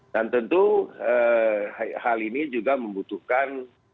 dan tentu hal ini juga membutuhkan